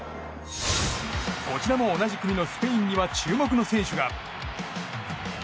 こちらも同じ組のスペインには注目の選手が。